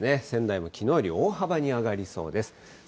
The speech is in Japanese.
仙台もきのうより大幅に上がりそうです。